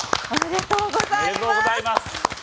おめでとうございます！